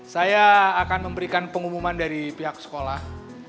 saya akan memberikan pengumuman dari pihak sekolah